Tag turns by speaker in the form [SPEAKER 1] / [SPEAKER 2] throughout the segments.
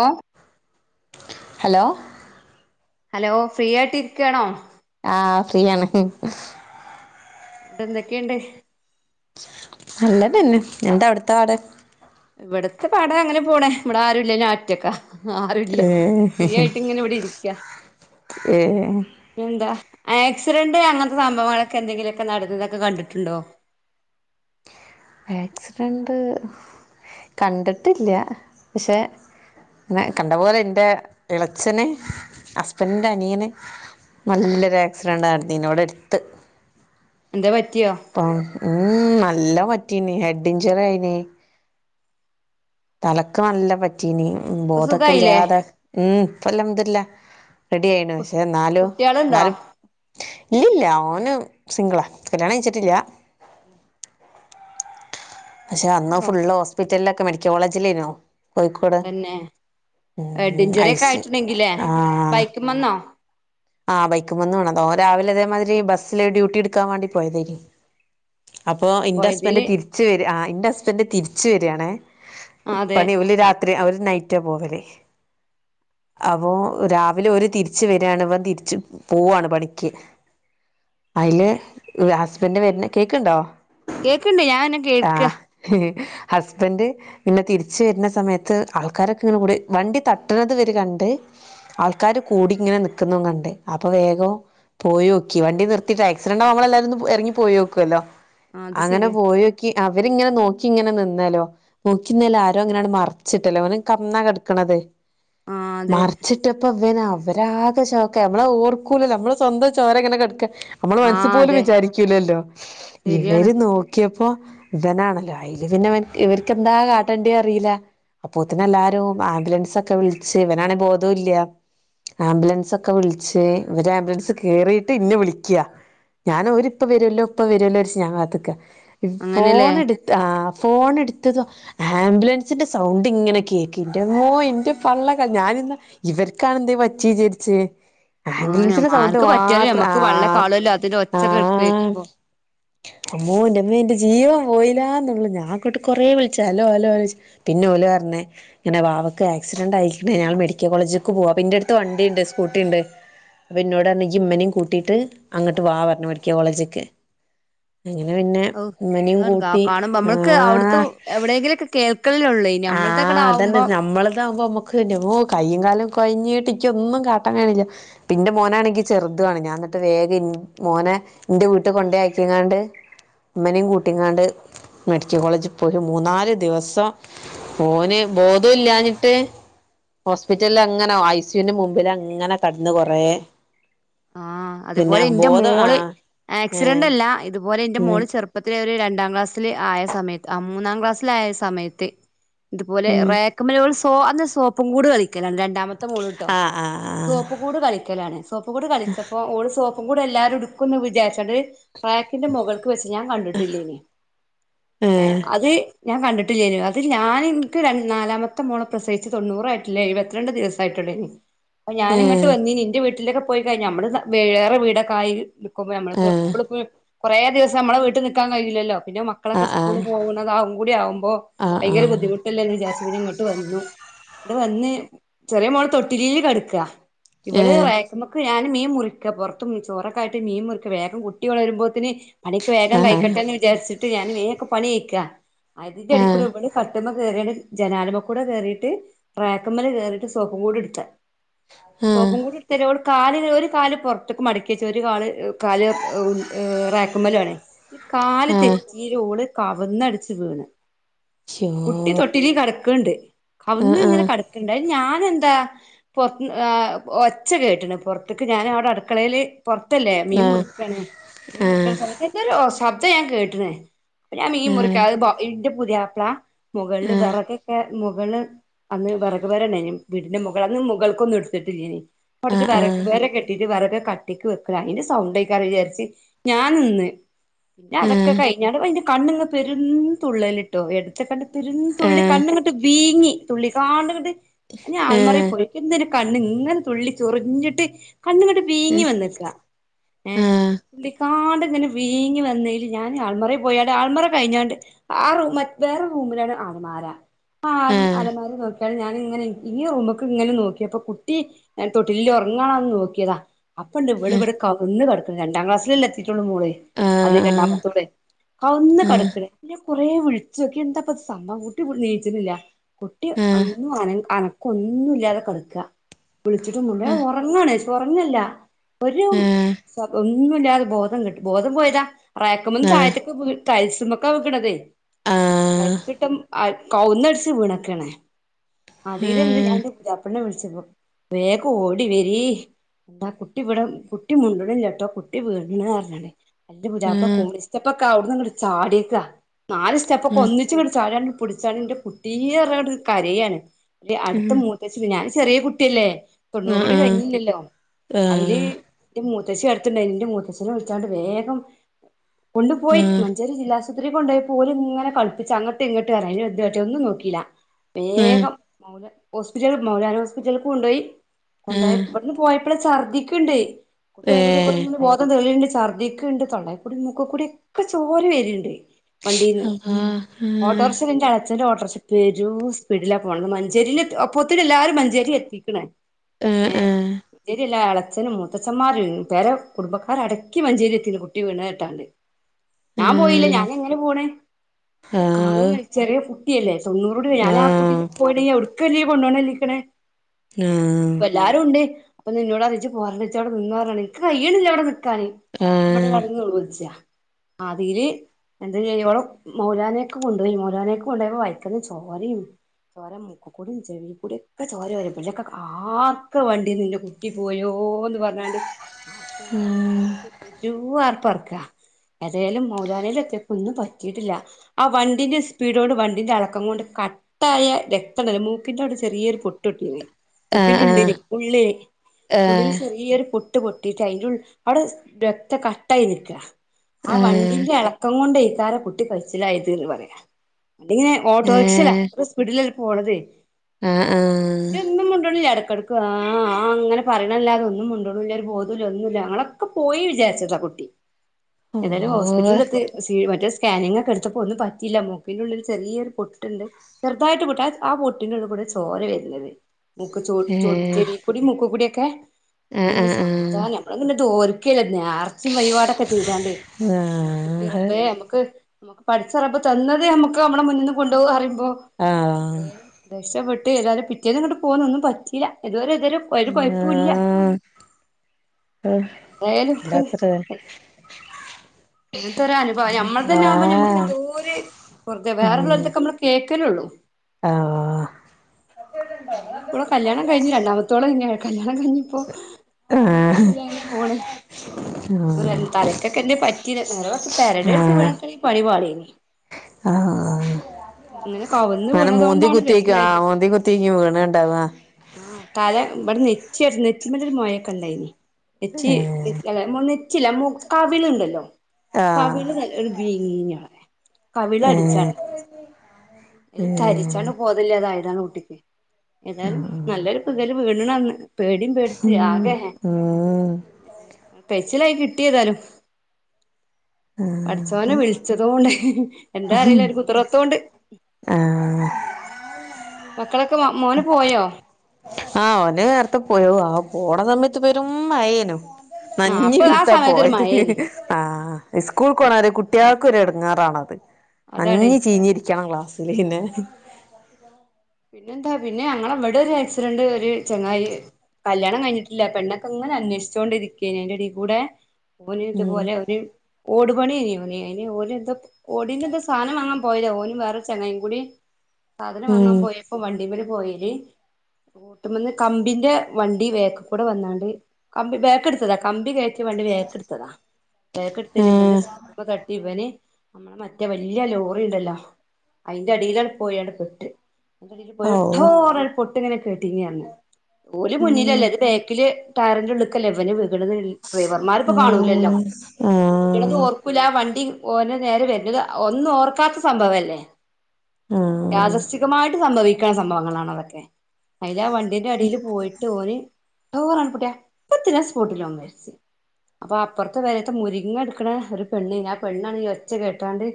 [SPEAKER 1] ഓഹ്
[SPEAKER 2] hello
[SPEAKER 1] hello free ആയിട്ടിരിക്കാണോ?
[SPEAKER 2] ആഹ് ഫ്രീയാണ്.
[SPEAKER 1] ട്ടെ എന്തക്കെയുണ്ട്?
[SPEAKER 2] നല്ലതന്നെ എന്താ അവിടുത്തെ പാട്?
[SPEAKER 1] ഇവിടത്തെ പാട് അങ്ങനെ പോണ്. ഇവടെ ആരുല്ല. ഞാനൊറ്റയ്ക്കാ. ആരുല്ല. ഫ്രീ ആയിട്ട് ഇങ്ങനെ ഇവിടെ ഇരിക്കാ. എന്താ? ആക്സിഡന്റ് അങ്ങനത്തെ സംഭവങ്ങളൊക്കെ എന്തെങ്കിലുമൊക്കെ നടന്നതൊക്കെ കണ്ടിട്ടുണ്ടോ?
[SPEAKER 2] ആക്സിഡന്റ് കണ്ടിട്ടില്ല പക്ഷേ ന്നേ കണ്ടപോലെ എൻ്റെ ഇളച്ചന് ഹസ്ബൻഡിൻ്റെ അനിയന് നല്ലൊരു ആക്സിഡന്റ് നടന്നീനു. ഇവടെ അടുത്ത്
[SPEAKER 1] എന്തേ പറ്റ്യോ?
[SPEAKER 2] അപ്പ. ഉം നല്ലോം പറ്റീന് ഹെഡ് ഇഞ്ചുറി ആയിന്. തലക്ക് നല്ല പറ്റീനി. ഉം
[SPEAKER 1] ഇപ്പൊ
[SPEAKER 2] ബോധൊക്കെ
[SPEAKER 1] സുഖായില്ലേ
[SPEAKER 2] ഇല്ലാതെ. ഉം ഇപ്പല്ലാം ഇതില്ല റെഡി ആയിനു. പക്ഷേ ഇന്നാലും
[SPEAKER 1] കുട്ടികളുണ്ടോ
[SPEAKER 2] ന്നാലും ഇല്ലില്ല ഓന് സിംഗിളാ. കല്യാണം കഴിച്ചിട്ടില്ല. പക്ഷേ അന്ന് ഫുള് ഹോസ്പിറ്റലിലൊക്കെ. മെഡിക്കൽ കോളേജിലേർന്നു. കോയിക്കോട്.
[SPEAKER 1] തന്നെ
[SPEAKER 2] ഉം.
[SPEAKER 1] ഹെഡ്
[SPEAKER 2] ഐസ്. ആഹ്
[SPEAKER 1] മ്മന്നൊ
[SPEAKER 2] ആ ബൈക്ക് മ്മന്ന് വീണതാ. ഓൻ രാവിലെ ഇതേമാതിരി ബസ്സ്ല് ഡ്യൂട്ടി ഇട്ക്കാൻ മാണ്ടി പോയതേനി. അപ്പോ ഇന്റെ ഹസ്ബൻഡ്
[SPEAKER 1] പോയതില്
[SPEAKER 2] തിരിച്ച് വെരാ. ആഹ് ഇന്റെ ഹസ്ബൻഡ് തിര്ച്ച് വെരാണേ.
[SPEAKER 1] ആ അതെ
[SPEAKER 2] പണി ഓല് രാത് ത്രി അവര് നൈറ്റാ പോവല്. അപ്പോ രാവിലെ ഓര് തിര്ച്ച് വരാണ്. ഇവൻ തി രിച്ച് പോവാണ് പണിക്ക്. അയ്ല് ഏഹ് ഹസ്ബൻഡ് വരുന്ന് കേക്ക്ണ്ടോ?
[SPEAKER 1] കേക്ക്ണ്ട് ഞാൻ അന്നെ കേക്കാ
[SPEAKER 2] ഏഹ് ഹസ്ബൻഡ് പിന്നെ തിരിച്ച് വര്ന്ന സമയത്ത് ആൾക്കാരൊക്കെ ഇങ്ങനെ കൂടി വണ്ടി തട്ട്ണത് ഇവര് കണ്ട് ആൾക്കാര് കൂടി ഇങ്ങനെ നിക്ക്ന്നതും കണ്ട് അപ്പ വേഗം പോയോക്കി. വണ്ടി നിർത്തിട്ട്. ആക്സിഡന്റാവുമ്പോ നമ്മളെല്ലാരും ഒന്ന് പോ എറങ്ങി പോയോക്കൊല്ലോ
[SPEAKER 1] ആ അത്
[SPEAKER 2] അങ്ങനെ
[SPEAKER 1] ശരിയാ
[SPEAKER 2] പോയോക്കി അവരിങ്ങനെ നോക്കി ഇങ്ങനെ നിന്നല്ലോ നോക്കിന്നേല് ആരോ ഇങ്ങനാണ്ട് മറച്ച്ട്ടല്ലോ. ഓന് കമ്ന്നാ കെടക്ക്ണത്.
[SPEAKER 1] ആ അതെ
[SPEAKER 2] മർച്ച്ട്ടപ്പോ ഇവൻ. അവരാകെ ശ ക്കെ മ്മള ഓർക്കൂല്ലല്ലോ. നമ്മള് സ്വന്തം ചോരങ്ങനെ കെട്ക്കാ നമ്മള്
[SPEAKER 1] ആ
[SPEAKER 2] മനസ്സ് പോലും
[SPEAKER 1] അതെ
[SPEAKER 2] വിചാരിക്കൂലല്ലോ.
[SPEAKER 1] ശരിയാണ്
[SPEAKER 2] ഇവര് നോ ക്കിയപ്പോ ഇവനാണ്. അയില് പിന്നെ ഇവൻ, ഇവര്ക്കെന്താ കാട്ടെണ്ടെ അറീല്ല. അപ്പോത്ത്നെല്ലാരും ആംബുലൻസൊക്കെ വിൾച്ച് ഇവനാണെങ്കി ബോധുല്ല. ആംബുലൻസൊ ക്കെ വിൾച്ച് ഇവര് ആംബുലൻസ് കേറീട്ട് ഇന്നെ വിളിക്കാ ഞാന് ഓരിപ്പൊ വരൊല്ലോ ഇപ്പ വരൊല്ലോ ഒര്ച്ച് ഞാൻ കാത്ത്ക്ക
[SPEAKER 1] അങ്ങനെല്ലേ
[SPEAKER 2] ഫോണ് എട് ത് ആ ഫോണെടുത്തതു ആംബുലൻസിന്റെ സൗണ്ട് ഇങ്ങനെ കേക്ക് ന്റെമ്മോ ന്റെ പള്ള കെ ഞാനിന്ന ഇവർക്കാണെ എന്തേ പറ്റീ വിചാര്ച്ച്
[SPEAKER 1] ആഹ്
[SPEAKER 2] ആംബുലൻസിലെ സൗണ്ട്
[SPEAKER 1] ഞമ്മാർക്ക് പറ്റൂല
[SPEAKER 2] മാത്രം
[SPEAKER 1] ഞമ്മക്ക് വള്ള
[SPEAKER 2] ആഹ്
[SPEAKER 1] കാളല്ലോ അതിന്റെ ഒച്ചക്കെ
[SPEAKER 2] ആഹ്
[SPEAKER 1] കേക്കുമ്പോ
[SPEAKER 2] അവൂ ന്റെമ്മേ ഇന്റെ ജീവം പോയില്ലാന്നൊള്ളൂ ഞാന് ഇങ്ങട്ട് കൊറേ വിൾച്ച് അലോ ഹലോ വി പിന്നെ ഓല് പറഞ്ഞു ഇങ്ങനെ വാവക്ക് ആക്സിഡന്റ് ആയിക്ക്ണ് ഞങ്ങൾ മെഡിക്ക കോളേജ് ക്ക് പോവാ അപ്പ ഇന്റെടുത്ത് വണ്ടിണ്ട് സ്കൂട്ടിണ്ട് അപ്പ എന്നോട് പറഞ്ഞു ഇയ്യ് മ്മനേം കൂട്ടിയിട്ട് അങ്ങട്ട് വാ പറഞ്ഞു മെഡിക്ക കോളേജ്ക്ക് അങ്ങനെ പിന്നെ
[SPEAKER 1] ഔ
[SPEAKER 2] ഉമ്മനിം
[SPEAKER 1] അഹ് കാ
[SPEAKER 2] കൂട്ടി ആഹ്
[SPEAKER 1] കേൾക്കലെലുള്ളേ
[SPEAKER 2] ആ അതന്നെ നമ്മൾതാവുമ്പോ മ്മ ക്ക് എൻ്റമ്മോ കയ്യും കാലും കൊഴഞ്ഞ്ട്ട് ക്ക് ഒന്നും കാട്ടാ കയ്യ്ണില്ല ന്റെ മോനാണെങ്കി ചെറുതു ആണ് ഞാൻ ന്നട്ട് വേഗം ഇ മോനെ ന്റെ വീട്ടിൽ കൊണ്ടാക്കികാണ്ട് മ്മനേം കൂട്ടിങ്ങാണ്ട് മെഡിക്കൽ കോളേജ് പോയി മൂന്നാല് ദിവസം ഓന് ബോധുല്ലാഞ്ഞിട്ട് ഹോസ്പിറ്റല്ൽ അങ്ങനെ ഐസിയുന്റെ മുമ്പിലങ്ങനെ കട്ന്ന് കൊറേ
[SPEAKER 1] ആഹ്
[SPEAKER 2] പിന്നെ
[SPEAKER 1] അതുപോലെ ന്റെ
[SPEAKER 2] ബോധം
[SPEAKER 1] മോള്
[SPEAKER 2] ആഹ് ഏഹ്
[SPEAKER 1] ആക്സിഡന്റല്ല ഇതുപോലെ ന്റെ
[SPEAKER 2] ഉം
[SPEAKER 1] മോള് ചെറുപ്പ മുപ്പത്തി രണ്ടാം ക്ലാസ്സില് ആയ സമയത്ത് ആ മൂന്നാം ക്ലാസ്സിലായ സമയത്ത് ഇതുപോലെ
[SPEAKER 2] ഉം
[SPEAKER 1] റേക്ക്മല് ഓള് സോ അന്ന് സോപ്പുകൂട് കളിക്കല രണ്ടാമത്തെ മോള്ട്ടോ
[SPEAKER 2] ആഹ് ആഹ്
[SPEAKER 1] സോപ്പും കൂട് കളിക്കലാണ് സോപ്പ് കൂട് കളിച്ചപ്പോ ഓള് സോപ്പുകൂട് എല്ലാരുടുക് ക്കുന്ന് വിചാര്ച്ചാണ്ട് റാക്ക്ന്റെ മുകൾക്ക് വെച്ച് ഞാൻ കണ്ടിട്ടില്ലേനി
[SPEAKER 2] ആഹ്
[SPEAKER 1] ഏ
[SPEAKER 2] ഏഹ്
[SPEAKER 1] അത് ഞാൻ കണ്ട്ട്ടില്ലേനി അത് ഞാന് ൻക്ക് നാലാമത്തെ മോളെ പ്രസവിച്ച് തൊണ്ണൂറായിട്ടില്ല എഴുപത്തിരണ്ട് ദിവസ ആയിട്ടൊള്ളെനി അപ്പൊ ഞാനിങ്ങട്ട്
[SPEAKER 2] ഏഹ്
[SPEAKER 1] വന്നീനി ന്റെ വീട്ടിലെക്കെ പോയി കഴിഞ്ഞ നമ്മള് വേറെ വീടൊക്കായി ക്കുമ്പ നമ്മള്ക്ക്
[SPEAKER 2] ഏഹ്
[SPEAKER 1] എപ്പളുപ്പോ കുറേ ദിവസ നമ്മളെ വീട്ട് നിക്കാൻ കഴില്ലല്ലോ പിന്നെ മക് മക്കളൊക്കെ
[SPEAKER 2] ആഹ് ആഹ്
[SPEAKER 1] സ്കൂള് പോകുന്നത് കൂടി ആകുമ്പോ
[SPEAKER 2] ആഹ്
[SPEAKER 1] ഭയങ്കര
[SPEAKER 2] ആഹ്
[SPEAKER 1] ബുദ്ധിമുട്ട് ല്ലെ വിചാര്ച്ച് പിന്നെ ഇങ്ങട്ട് വന്നു അത് വന്ന് ചെറിയ മോള് തൊട്ടിലീല് കെടക്കാ ഇവള്
[SPEAKER 2] ഏഹ്
[SPEAKER 1] റാക്ക് നമുക്ക് ഞാന് മീൻ മുറിക്ക. പുറത്ത് ചോറൊക്കെയായിട്ട് മീൻ മുറിക്കുക. വേഗം കുട്ടിയുണരുമ്പോത്തിന് പണിയൊക്കെ വേഗം
[SPEAKER 2] ആഹ്
[SPEAKER 1] കായിക്കട്ടെ എന്ന് വിചാരിച്ചിട്ട് ഞാൻ വേഗൊക്കെ പണികയിക്കാം അതിന്റെ
[SPEAKER 2] ആഹ്
[SPEAKER 1] അടിക്കൂടു ഇവള് കട്ടുമ്മ കയറിട്ട് ജനാല്മ്മ കൂടെ കയറിയിട്ട് റാക്കുമ്മൽ കയറിയിട്ട് സോപ്പും കൂടെടുത്തത്
[SPEAKER 2] ആഹ്
[SPEAKER 1] സോപ്പും കൂട് കാലി ഒരു കാല് പുറത്തേക്ക് മടക്കി വച്ച്, ഒരു കാല്, കാല് റാക്കുമ്മലും ആണേ. കാല്
[SPEAKER 2] ആഹ്
[SPEAKER 1] തെറ്റിയിട്ടോള് കവന്നടിച്ചു വീണ്
[SPEAKER 2] ശോ
[SPEAKER 1] കുട്ടി തൊട്ടിലീ കിടക്കണ്ട്. അവിടന്ന്
[SPEAKER 2] ആഹ്
[SPEAKER 1] ഇങ്ങനെ
[SPEAKER 2] ആഹ്
[SPEAKER 1] കട ക്ക്ണ്ടായി. ഞാന് എന്താ പൊറത്ത്ന്ന് ആഹ് [inaudible] ഒച്ച കേട്ടിണ് പുറത്തേക്ക്. ഞാൻ അവിടെ അടുക്കളയില് പുറത്തല്ലേ മീൻ മുറിക്കാണ്. മീൻ
[SPEAKER 2] ആഹ്
[SPEAKER 1] മുറിക്കുന്ന സമയത്ത് എന്തൊരു ശബ്ദം ഞാൻ കേട്ടിന്. അപ്പൊ ഞാൻ മീൻ
[SPEAKER 2] ആഹ്
[SPEAKER 1] മുറിക്കാ ഇന്റെ പുതിയാപ്പ്ള മുകളില്
[SPEAKER 2] ആഹ്
[SPEAKER 1] വെറക് മുകൾ, അന്ന് വിറക് വാരണേനു വീടിന്റെ മുകൾ അന്ന്, മുകൾക്കൊന്നും എടുത്തിട്ടില്ലേനു കുറച്ച്
[SPEAKER 2] ആഹ് ആഹ് ആഹ് ആഹ് ആഹ് ആഹ് ആഹ്
[SPEAKER 1] വെറക് ഇങ്ങനെ കെട്ടി ട്ട്. വെറക് കട്ടിക്ക് വെക്കുക. അതിന്റെ സൗണ്ട് കേൾക്കുകാന്ന് വിചാരിച്ച് ഞാൻ നിന്ന് പിന്നെ അതൊക്കെ കഴിഞ്ഞാണ്ട് അപ്പോ കണ്ണിന്ന് പെരും തുള്ളലി ട്ടോ ഇടത്തെ കണ്ണ് പെരും
[SPEAKER 2] ആഹ് ആഹ്
[SPEAKER 1] തുള്ളി കണ്ണ് ഇങ്ങട്ട് വീങ്ങി തുള്ളി കാണ്ട്ങ്ങട്ട് ഞാൻ അലമാറയിൽ പോയി എന്തെൻ്റെ കണ്ണ് ഇങ്ങനെ തുള്ളി ചൊറിഞ്ഞിട്ട് കണ്ണ് ഇങ്ങട്ട് വീങ്ങി വന്നക്കാ ഏഹ് പിന്നെ കാണ്ട് ഇങ്ങനെ വീങ്ങി വന്നേല് ഞാൻ അലമാറയിൽ പോയാണ്ട് അലമാര കഴിഞ്ഞാണ്ട് ആ റൂം മറ്റെ വേറെ റൂമിലാണ് അലമാര ആഹ് അലമാര നോക്കിയാല് ഞാൻ ഇങ്ങനെ ഈ റൂമ്ക്ക് ഇങ്ങനെ നോക്കിയെപ്പൊ കുട്ടി ഞാൻ തൊട്ടിലിൽ ഉറങ്ങാണൊ നോക്കിയതാ അപ്പൊണ്ട് ഇവള്
[SPEAKER 2] ആഹ്
[SPEAKER 1] ഇവിടെ കമഴ്ന്ന് കിടക്കുന്നു രണ്ടാം ക്ലാസിലല്ലെ എത്തിയിട്ടുള്ളൂ മോള്
[SPEAKER 2] ആഹ് ആഹ് ആഹ് ആഹ് ആഹ് ആഹ്
[SPEAKER 1] അത്
[SPEAKER 2] ആഹ് ആഹ് ആഹ്
[SPEAKER 1] രണ്ടാമത്തോള് കമഴ്ന്ന്
[SPEAKER 2] ഉം
[SPEAKER 1] കടക്കണ് ഞാൻ കൊറെ വിളിച്ചോക്കി എന്താപ്പ സംഭവം കുട്ടി ഇവട് നീച്ച്ണില്ല കുട്ടി ഒന്നും അന അനക്കൊന്നും ഇല്ലാതെ കടക്കുക വിളിച്ചിട്ടും മുണ്ട ഉറങ്ങാണ് ഉറങ്ങല്ല ഒരു ഒന്നൂല്ലാതെ ബോധം കെട്ട് ബോധം പോയതാ റാക്കുമ്മന്ന് തായത്ത്ക്ക് വീണ് ടൈസുമ്മക്കാ വിക്ണതെ [unintelligible] കമഴ്ന്നടിച്ച് വിണക്കണ് അതിലെന്ത് ഞാൻന്റെ പുതിയാപ്ളെനെ വിളിച്ചെപ്പൊ വേഗം ഓടി വരിൻ താ കുട്ടി ഇവിട കുട്ടി മുണ്ടണില്ലട്ടോ കുട്ടി വീണിന് പറഞ്ഞങ്ങടേ എൻ്റെ പുതിയ്യാപ്ളാ കോണിസ്റ്റപ്പ് ഒക്കെ അവിടന്ന് ചാടിയെക്കാ നാല് സ്റ്റെപ്പൊക്കെ ഒന്നി ച്ചു ചാടി അങ്ങട്ട് പുടിച്ചാണ്ട് എന്റെ കുട്ടീയെന്നു പറഞ്ഞങ്ങട്ട് കരയാണ് എന്നിട്ട് അടുത്ത വിചാരിച്ച് ഞാൻ ചെറിയ കുട്ടിയല്ലേ
[SPEAKER 2] ആഹ്
[SPEAKER 1] തൊണ്ണൂറ് കൂടി
[SPEAKER 2] ആഹ്
[SPEAKER 1] കഴിഞ്ഞില്ലല്ലോ
[SPEAKER 2] ആഹ്
[SPEAKER 1] അതില് ഇന്റെ മൂത്തശ്ശി അടുത്തുണ്ടായിരുന്നു ഇന്റെ മൂത്തച്ഛനെ വിളിച്ചാണ്ട് വേഗം കൊണ്ടുപോയി
[SPEAKER 2] ആഹ്
[SPEAKER 1] മഞ്ചേരി ജില്ലാശുപത്രി ആശുപത്രി കൊണ്ട് പോയിട്ട് ഓല് ഇങ്ങനെ കളിപ്പിച്ച് അങ്ങട്ട് ഇങ്ങോട്ട് പറഞ്ഞിട്ട് അതിൽ എന്ത് കാട്ടി ഒന്നും നോക്കിയില്ല വേഗം മൗല ഹോസ്പിറ്റൽ മൗലാന ഹോസ്പിറ്റലക്ക് കൊണ്ടുപോയി
[SPEAKER 2] ആഹ്
[SPEAKER 1] കൊണ്ടുപോയി
[SPEAKER 2] ആഹ്
[SPEAKER 1] ഇവിടുന്ന് പോയപ്പളേ ഛർദിക്കുണ്ടെയ് കുട്ടിഅയിന്റെടി
[SPEAKER 2] ഏഹ്
[SPEAKER 1] കുടി ബോധം തെളിയുണ്ട് ഛർദിക്കുണ്ട് തൊള്ളേക്കൂടി മുക്കിക്കൂടി ഒക്കെ ചോര വെരിണ്ട് വണ്ടിന്ന്
[SPEAKER 2] അള്ളാ ആഹ്
[SPEAKER 1] ഓട്ടോറിക്ഷ ഇന്റെ എളച്ചന്റെ ഓട്ടോറിക്ഷ പെരൂ സ്പീഡിലാ പോണത് മഞ്ചേരിൽ അപ്പൊത്തിന് എല്ലാരും മഞ്ചേരി എത്തിക്ക്ണ്
[SPEAKER 2] ആഹ്
[SPEAKER 1] ഏ
[SPEAKER 2] ആഹ്
[SPEAKER 1] മഞ്ചേരില്ല ഇളയച്ഛനും മുത്ത ത്തച്ചൻമാരും പെര കുടുംബക്കാർ അടക്കി മഞ്ചേരി എത്തീന് കുട്ടി വീണകേട്ടാണ്ട് ഞാൻ പോയില്ല ഞാന് എങ്ങനെ പോണേ
[SPEAKER 2] ആഹ്
[SPEAKER 1] കാണാൻ
[SPEAKER 2] ആഹ്
[SPEAKER 1] കഴിയില്ല ചെറിയ കുട്ടിയല്ലേ തൊണൂറൂടിക ഞൻ ആ കുട്ടി
[SPEAKER 2] ആഹ്
[SPEAKER 1] പോയിട്ടെങ്കി എടുക്കെരുതി കൊണ്ടോണല്ലിക്കണ്
[SPEAKER 2] ആഹ്
[SPEAKER 1] എല്ലാരും ഉണ്ട് അപ്പം ന്ന് എന്നോട് പറഞ്ഞു ഇജ്ജ്പോരണ്ടാ ഇജ്ജ് അവിടെ നിന്നോപറഞ്ഞികാണ്ട് എനിക്ക് കഴിയണില്ല അവിടെ നിക്കാന് ഞാൻ ഇവിടെ ഇവടെ
[SPEAKER 2] ആഹ്
[SPEAKER 1] കടന്ന് നേലോൾച്ച അതില് എന്ത് ചെയ്യാ ഓളെമൗലാനേക്ക് കൊണ്ടോയി മൗലാനയൊക്കെ കൊണ്ടുപോയപ്പോൾ വഴിക്കന്ന് ചോരയും ചോരമുക്കൂടും ചെവി കൂടി ഒക്കെ ചോരവര ഇവരൊക്കെ ആർക്ക വണ്ടിന്ന് ഇന്റെ കുട്ടി പോയോന്ന് പറഞ്ഞാണ്ട്
[SPEAKER 2] ഉം
[SPEAKER 1] പെരുംആർപ്പാർക്ക ഏതായാലും മൗലാനേലെത്യപോ ഒന്നും പറ്റിട്ടില്ല ആ വണ്ടിന്റെ സ്പീഡോട് വണ്ടിന്റെളക്കം കൊണ്ട് ക കട്ടായ രക്തംണ്ടല്ലൊ മൂക്കിന്റെവ്ടെ ചെറിയൊരു പൊട്ടൊട്ടിന്ന്
[SPEAKER 2] ആഹ് ആഹ് ആഹ്
[SPEAKER 1] മൂക്കിന്റുള്ളില് ഉള്ളില്
[SPEAKER 2] ആഹ്
[SPEAKER 1] ഉള്ളില് ചെറിയൊരു പൊട്ട് പൊട്ടിട്ട് അയ്ന്റുള്ള് അവടെ രക്ത കട്ടായി നിക്കാ ആ
[SPEAKER 2] ആഹ്
[SPEAKER 1] വണ്ടിന്റെളക്കംകൊണ്ടയ്ക്കാരം കുട്ടി കയ്ച്ചിലായത് ന്ന് പറയാ വണ്ടിങ്ങനെ ഓട്ടോറിക്ഷ ല്ലെ
[SPEAKER 2] ഏഹ്
[SPEAKER 1] അത്ര സ്പീഡിലല്ലേ പോണത്
[SPEAKER 2] ആഹ്
[SPEAKER 1] ഏഹ്
[SPEAKER 2] ആഹ്
[SPEAKER 1] തെന്നും മുണ്ടുണില്ല എടക്കെടക്ക് ആഹ് ആഹ് ഇങ്ങനെ പറയണില്ലാതൊന്നും മുണ്ടുണൂല്ല ഒരു ബോധോല്ല ഒന്നുല്ല ഞങ്ങളെ ഒക്കെപോയിന്ന് വിചാരിച്ചതാ കുട്ടി ഏാതായാലും ഹോസ്പിറ്റ
[SPEAKER 2] ഓഹ്
[SPEAKER 1] റ്റിലെത്തി സി മറ്റേ സ്കാനിങ്ങക്കെട്ത്തപ്പോ ഒന്നും പറ്റില്ല മൂക്കിന്റുള്ളില് ചെറിയ പൊട്ട്ണ്ട് ചെറുതായിട്ട് പൊട്ടാ. ആ പൊട്ടിന്റുള്ളുകൂടാ ചോര വര്ന്നത്. മൂക്ക് ചൊ ചോട്
[SPEAKER 2] ഏഹ്
[SPEAKER 1] ചെവിക്കൂടിം മൂക്ക്ക്കൂടീം ഒക്കെ. അത്
[SPEAKER 2] ആഹ്
[SPEAKER 1] വല്യേ സമാ
[SPEAKER 2] ആഹ്
[SPEAKER 1] ധാനം നമ്മള്ങ്ങനെ തോർക്കല്ലെ നേർച്ചിം വഴിപാടൊക്കെ ചെയ്താണ്ട്
[SPEAKER 2] ആഹ്
[SPEAKER 1] ന്റെ റബ്ബെ. നമ്മക്ക് പടച്ച റബ്ബ് തന്നത് നമ്മക്ക് ഞമ്മടെ മുന്നിന്ന് കൊണ്ടോവാറയിമ്പോ
[SPEAKER 2] ആഹ്
[SPEAKER 1] [unintelligible] രക്ഷപ്പെട്ട് ഏതാലും പിറ്റേന്ന്ങ്ങട് പോന്നൊന്നും പറ്റീല. ഇതുവരെഎതേലും ഒരു കൊയപ്പൂല്ല.
[SPEAKER 2] ആഹ് ഓഹ്
[SPEAKER 1] ഏതായാലും. ഏഹ്
[SPEAKER 2] വല്ലാത്തൊരു
[SPEAKER 1] ഇങ്ങനത്തൊരനുഭവം. ഞമ്മളതന്നാവുമ്പോ ഞമ്മക്ക്
[SPEAKER 2] ആഹ്
[SPEAKER 1] എന്തോര് പൊർത്യേട്.
[SPEAKER 2] ഉം
[SPEAKER 1] വേറെള്ളൊര്തൊക്കെമ്മള് കേക്കലൊള്ളൂ.
[SPEAKER 2] ആഹ്.
[SPEAKER 1] എതായിലുപ്പ ഓളെ കല്യാണം കയിഞ്ഞ്. രണ്ടാമത്തോള് [unintelligible] കല്യാണം കയിഞ്ഞ് ഇപ്പോ ഒരു
[SPEAKER 2] ആഹ്
[SPEAKER 1] കൊയപ്പല്ലാങ്ങനെ പോണ്. ഇവര തലക്കക്കെന്നെ പറ്റിത്. നേരെമറിച്ച് പെരടി അടിച്ച് വീണക്കെങ്കി പണി പാള്യേന്ന്.
[SPEAKER 2] ആഹ് ആഹ് അങ്ങനെ
[SPEAKER 1] വീണത്
[SPEAKER 2] മൂന്തേം
[SPEAKER 1] കൊണ്ടാണ്
[SPEAKER 2] കുത്ത്യയേക്ക്. ആഹ്
[SPEAKER 1] ബെസ്സിലായത്
[SPEAKER 2] മൂന്തേം കു ത്തേക്കും വീണ് ണ്ടാവാ
[SPEAKER 1] ഉം തല ഇബടെ നെറ്റിയൊരഞ്ഞ് നെറ്റിമ്മലോര് മൊയക്കെണ്ടായിന്നി. നെറ്റി
[SPEAKER 2] ഏഹ്
[SPEAKER 1] [unintelligible] മ്മ നെറ്റ്യല്ല. മു കവിള്ണ്ടല്ലോ. കവിള്
[SPEAKER 2] ആഹ്
[SPEAKER 1] നല്ല ഒരു വീങ്ങ്യപോലെ.
[SPEAKER 2] ഏഹ്
[SPEAKER 1] കവിളടിച്ചാണ്. ത്
[SPEAKER 2] ഏഹ്
[SPEAKER 1] തരിച്ചാണ്ട് ബോധല്ല്യാതായതാണ് കുട്ടിക്ക്. ഏതായാലും നല്ലൊരു വികല് വീണ്ന്ന് അന്ന്. പേടീം പേടിച്ച്
[SPEAKER 2] ഉം
[SPEAKER 1] ആകെ
[SPEAKER 2] ഉം
[SPEAKER 1] കയ്ച്ചിലായി കിട്ട്യേതാലും. പടച്ചോനെ വിളിച്ചത് അതോണ്ട്
[SPEAKER 2] ആഹ്.
[SPEAKER 1] മക്കളൊക്കെ മോന് പോയോ?
[SPEAKER 2] ആഹ് ഓന് നേർത്ത പോയി. ആഹ് പോണ സമയത്ത് പെരും മയേനു.
[SPEAKER 1] ആഹ്
[SPEAKER 2] നനഞ്ഞ്
[SPEAKER 1] അപ്പൊ ആ
[SPEAKER 2] പിയ്ത്താ
[SPEAKER 1] സമയത്ത് ഒരു
[SPEAKER 2] പോയത്.
[SPEAKER 1] മഴേനി
[SPEAKER 2] ആഹ് ഇസ്കൂൾക്കോണരെ കുട്ട്യാൾക്കൊര് എടങ്ങേറാണത്.
[SPEAKER 1] അതാണേ
[SPEAKER 2] നനഞ്ഞ് ചീഞ്ഞിരിക്കണം ക്ലാസില്. ല് ഇങ്ങനെ
[SPEAKER 1] പിന്നെന്താ പിന്നെ ഞങ്ങളെവടൊരു ആക്സിഡന്റ് ഒരു ചെങ്ങായി കല്യാണം കഴിഞ്ഞിട്ടില്ല. പെണ്ണൊക്കങ്ങനേ അന്വേഷിച്ചോണ്ടിരിക്കേന്നു. അയ്‌ന്റെടേകൂടെ ഓന് ഇത്
[SPEAKER 2] ഉം
[SPEAKER 1] പോലെ, ഒരു ഓടു പണ്യേന് [unintelligible] ഓന് നന്തോ ഓടിന്റെന്തോ സാനം വാങ്ങാൻ പോയതാ ഓനും വേറെ ചെങ്ങായും കൂടി, സാധനം വാങ്ങാൻ
[SPEAKER 2] ഉം
[SPEAKER 1] പോയപ്പോ വണ്ടിമ്മല് പോയേല് റോട്ട്മന്ന് കമ്പിന്റെ വണ്ടി ബേക്ക്കൂടെ വന്നാണ്ട് കമ്പി ബേക്ക്ട്ത്തതാ കമ്പി കേ റ്റിയ വണ്ടി ബേക്ക്ട്ത്തതാ. ബേക്ക്ട്ത്തേല് ഇബന്റെ സ് പ്പ തട്ടി ഇബന് മറ്റേ വല്ല്യ ലോറിണ്ടല്ലോ അയിന്റെടിലാണ്ട് പോയാണ്ട് പെട്ട്. അയ്ന്റെടില്
[SPEAKER 2] ആഹ്
[SPEAKER 1] പോയി ഠോ
[SPEAKER 2] ഔ
[SPEAKER 1] ന്ന് ഒര് പൊട്ട്ങ്ങനെ കേട്ടീന്നിറഞ്ഞ്. ഓല്
[SPEAKER 2] ഉം
[SPEAKER 1] മുന്നിലല്ലേ? ഇത് ബേക്കില് ടയറിന്റുള്ള്ക്കല്ലേ ഇവന് വിഗ്ണത്. ഡ്രൈവർമാര്പ്പോ കാണൂലല്ലോ.
[SPEAKER 2] ഉം
[SPEAKER 1] പിന്നെ വീഗണത്
[SPEAKER 2] ആഹ്
[SPEAKER 1] ഓർക്കൂല്ല. വണ്ടി ഓന്റെ നേരെ വര്ന്നത് ഒന്ന് ഓർക്കാത്ത സംഭവല്ലേ [unintelligible]
[SPEAKER 2] ആഹ്
[SPEAKER 1] യാദൃശ്ചികമായിട്ട് സംഭവിക്കണ സംഭവങ്ങളാണ് അതൊക്കെ. അതിലാ വണ്ടിന്റെ അടിയില് പോയിട്ട് ട്ട് ഓന് ഠോ ന്നങ്ങട് പൊട്ട്യേ. പ്പ തന്നെ സ്പോട്ടില് ഓൻ മരിച്ചിന്. അപ്പ അപ്പറത്തെ പെരത്തെ മുരിങ്ങ എടുക്കണ ഒരു പെണ്ണെയ്ന്‌ ആ പെണ്ണാണ് ഈ ഒച്ച കേട്ടാണ്ട്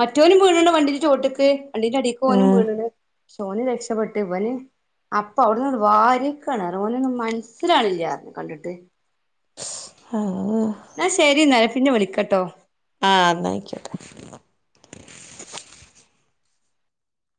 [SPEAKER 1] മറ്റോനും വീണ് ണ്ണ് വണ്ടിന്റെ ചോട്ട്ക്ക്. വണ്ടിന്റെ അടിക്ക് ഓനും
[SPEAKER 2] ആഹ്
[SPEAKER 1] വീണ്ന്ന്. പക്ഷേ ഓന് രക്ഷപ്പെട്ട്. ഇവൻ അപ്പ അവിട്ന്ന്ങ്ങട് വാര്യട്ക്കാണ്. ഓനൊന്നും മനസ്സിലാവ്ണില്ലാ കണ്ടിട്ട്.
[SPEAKER 2] ആഹ്
[SPEAKER 1] ന്നാ ശരി ന്നാ ഞാൻ പിന്നെ വിളിക്കട്ടോ
[SPEAKER 2] ആഹ് ഇന്നായിക്കോട്ടേ